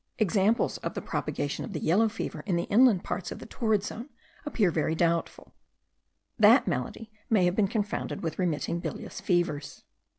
Examples of the propagation of the yellow fever in the inland parts of the torrid zone appear very doubtful: that malady may have been confounded with remitting bilious fevers.